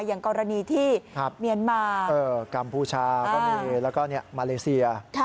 อย่างกรณีที่เมียนมากัมพูชาและมาเลเซีย